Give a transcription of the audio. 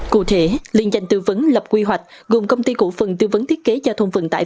cụ thể liên doanh tư vấn lập quy hoạch gồm công ty cụ phần tư vấn thiết kế gia thông vận tải